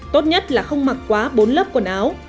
tốt nhất là không mặc quá bốn lớp quần áo